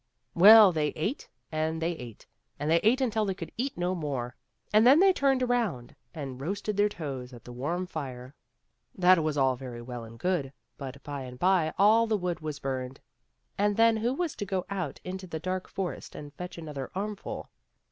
Well, they ate and they ate and they ate until they could eat no more, and then they turned around and roasted their toes at the warm fire. That was all very well and good, but by and by all the wood was burned, and then who was to go out into the dark forest and fetch another armful?